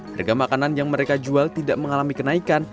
harga makanan yang mereka jual tidak mengalami kenaikan